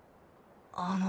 あの。